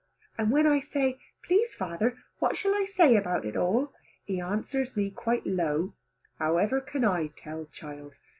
And when I say, "Please father what shall I say about it all?" he answer me quite low, "How ever can I tell child?